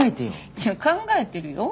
いや考えてるよ。